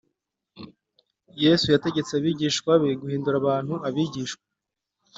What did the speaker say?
Yesu yategetse abigishwa be guhindura abantu abigishwa